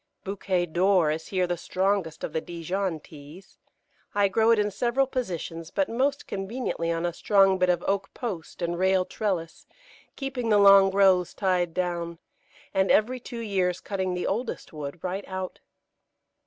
Bouquet d'Or is here the strongest of the Dijon Teas. I grow it in several positions, but most conveniently on a strong bit of oak post and rail trellis, keeping the long growths tied down, and every two years cutting the oldest wood right out.